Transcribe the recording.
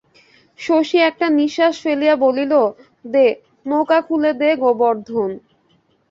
শশী একটা নিশ্বাস ফেলিয়া বলিল, দে, নৌকা খুলে দে গোবর্ধন।